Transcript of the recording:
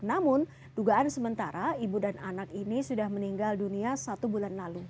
namun dugaan sementara ibu dan anak ini sudah meninggal dunia satu bulan lalu